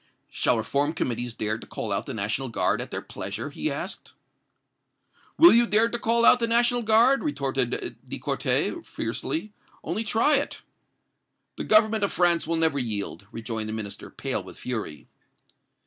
"'Shall reform committees dare to call out the National Guard at their pleasure?' he asked. "'Will you dare to call out the National Guard?' retorted De Courtais, fiercely. 'Only try it!' "'The Government of France will never yield!' rejoined the Minister, pale with fury.